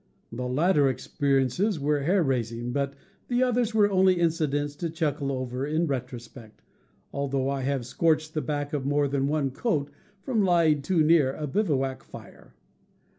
The latter experi ences were hair raising, but the others were only inci dents to chuckle over in retrospect, although I have scorched the back of more than one coat from lying too near a bivouac fire.